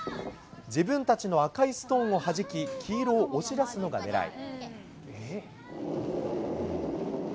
自分たちの赤いストーンをはじき、黄色を押し出すのが狙い。